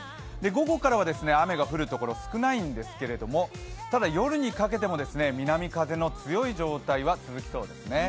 午後からは雨が降る所少ないんですけれども、ただ、夜にかけても南風の強い状態は続きそうですね。